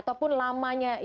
ataupun lamanya iya